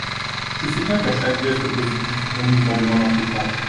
Je sais bien qu’à chaque geste positif, on nous en demande un plus grand.